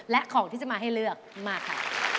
และของที่จะมาให้เลือกมาค่ะ